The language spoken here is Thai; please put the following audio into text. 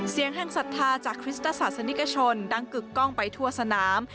เสียงแห่งศรัทธาจากคริสตศาสนิกชนดังกึกกล้องไปทั่วสนาม